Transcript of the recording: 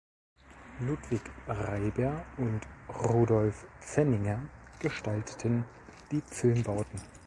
Ludwig Reiber und Rudolf Pfenninger gestalteten die Filmbauten.